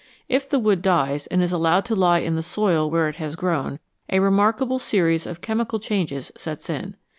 If the wood dies and is allowed to lie in the soil where it has grown, a remarkable series of chemical changes sets in.